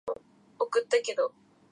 もう終わりたい